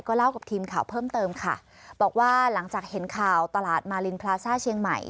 เล่ากับทีมข่าวเพิ่มเติมค่ะบอกว่าหลังจากเห็นข่าวตลาดมารินพลาซ่าเชียงใหม่